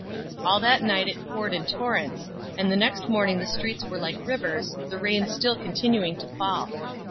All that night it poured in torrents, and the next morning the streets were like rivers, the rain still continuing to fall.